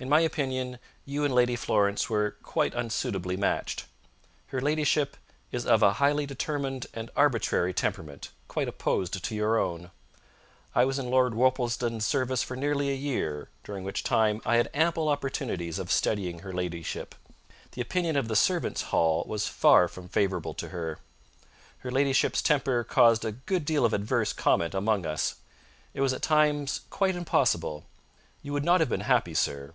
In my opinion you and Lady Florence were quite unsuitably matched. Her ladyship is of a highly determined and arbitrary temperament, quite opposed to your own. I was in Lord Worplesdon's service for nearly a year, during which time I had ample opportunities of studying her ladyship. The opinion of the servants' hall was far from favourable to her. Her ladyship's temper caused a good deal of adverse comment among us. It was at times quite impossible. You would not have been happy, sir!"